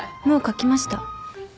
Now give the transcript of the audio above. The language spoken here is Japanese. もう書きました。